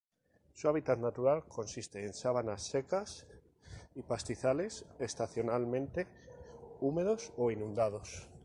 Su hábitat natural consiste en Sabanas secas y pastizales estacionalmente húmedos o inundados.